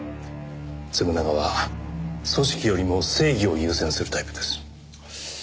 嗣永は組織よりも正義を優先するタイプです。